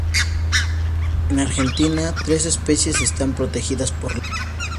En Argentina tres especies están protegidas por ley.